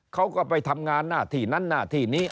เขาก็ไปทำงานหน้าที่นั้นหน้าที่นี้